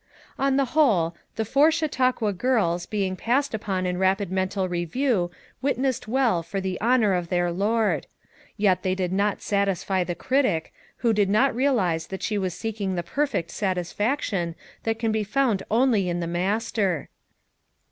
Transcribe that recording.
On the whole, the "Four Chautauqua Girls" being passed upon in rapid mental review wit nessed well for the honor of their Lord; yet they did not satisfy the critic, who did not realize that she was seeking the perfect satis faction that can be found only in the Master.